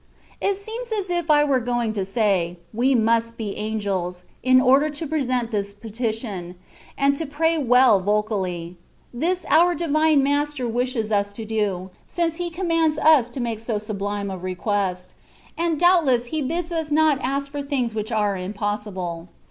It seems as if I were going to say, we must be angels, in order to present this petition, and to pray well vocally ; this our divine Master wishes us to do, since He commands us to make so sublime a request \ and doubtless He bids us not ask for things which are impossible.